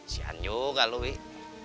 sian juga lu wih